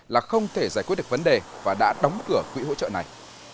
là không thể giải quyết được vấn đề và đã đóng cửa quỹ hỗ trợ này